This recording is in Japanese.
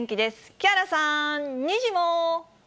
木原さん、にじモ。